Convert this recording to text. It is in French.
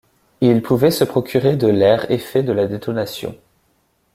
Ils pouvaient se procurer de l’air Effet de la détonation